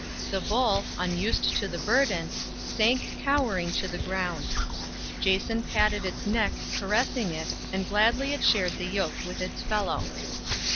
The bull, unused to the burden, sank cowering to the ground. Jason patted its neck caressing it, and gladly it shared the yoke with its fellow.